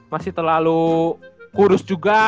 masih terlalu kurus juga